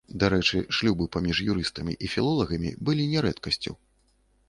Дарэчы, шлюбы паміж юрыстамі і філолагамі былі нярэдкасцю.